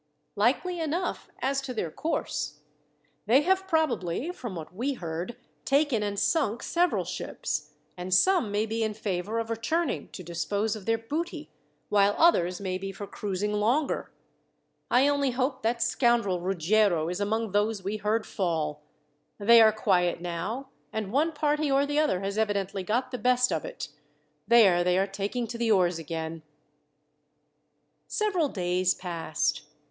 "Likely enough, as to their course. They have probably, from what we heard, taken and sunk several ships, and some may be in favour of returning to dispose of their booty, while others may be for cruising longer. I only hope that scoundrel Ruggiero is among those we heard fall. They are quiet now, and one party or the other has evidently got the best of it. There, they are taking to the oars again." Several days passed.